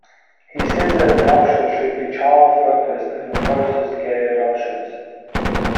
He says that adoptions should be child focused and opposes gay adoptions.